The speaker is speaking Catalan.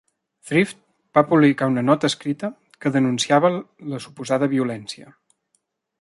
Thrift va publicar una nota escrita que denunciava la suposada violència.